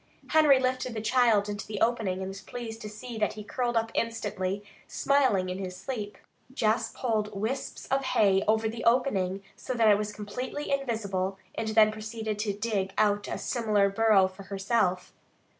Henry lifted the child into the opening and was pleased to see that he curled up instantly, smiling in his sleep. Jess pulled wisps of hay over the opening so that it was absolutely invisible, and then proceeded to dig out a similar burrow for herself.